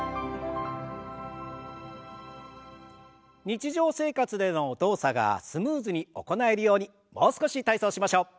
日常生活での動作がスムーズに行えるようにもう少し体操をしましょう。